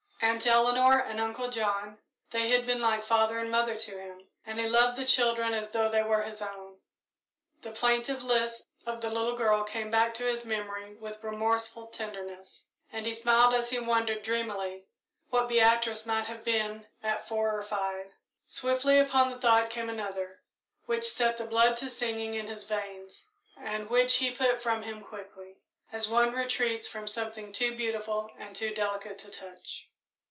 Aunt Eleanor and Uncle John they had been like father and mother to him, and he loved the children as though they were his own. The plaintive lisps of the little girl came back to his memory with remorseful tenderness, and he smiled as he wondered, dreamily, what Beatrice might have been at four or five. Swiftly upon the thought came another, which set the blood to singing in his veins, and which he put from him quickly, as one retreats before something too beautiful and too delicate to touch.